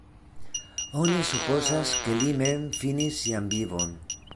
Oni supozas, ke li mem finis sian vivon.